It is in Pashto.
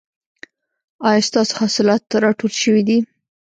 ایا ستاسو حاصلات راټول شوي دي؟